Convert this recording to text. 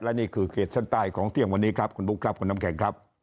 และนี่คือเขตเส้นใต้ของเที่ยงวันนี้ครับคุณบุ๊คครับคุณน้ำแข็งครับ